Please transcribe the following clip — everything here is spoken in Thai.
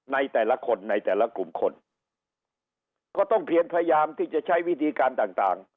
ในแต่ละคนในแต่ละกลุ่มคนก็ต้องเพียงพยายามที่จะใช้วิธีการต่างต่าง